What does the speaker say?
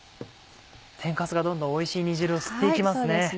天かすがどんどんおいしい煮汁を吸っていきますね。